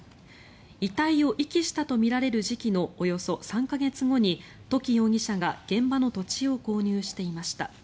遺体を遺棄したとみられる時期のおよそ３か月後に土岐容疑者が現場の土地を購入していました。